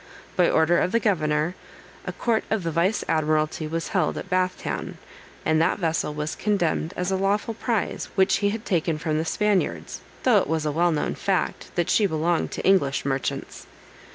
By order of the governor, a court of vice admiralty was held at Bath town, and that vessel was condemned as a lawful prize which he had taken from the Spaniards, though it was a well known fact that she belonged to English merchants.